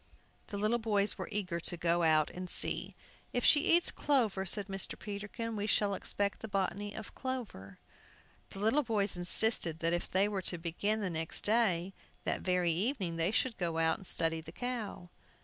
The little boys were eager to go out and see. "If she eats clover," said Mr. Peterkin, "we shall expect the botany of clover." The little boys insisted that they were to begin the next day; that very evening they should go out and study the cow.